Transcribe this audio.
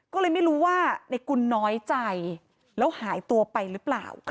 ก็เลยไม่รู้ว่าในกุลน้อยใจแล้วหายตัวไปหรือเปล่า